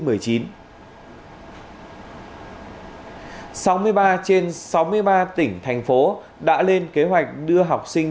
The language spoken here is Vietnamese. sáu mươi ba trên sáu mươi ba tỉnh thành phố đã lên kế hoạch đưa học sinh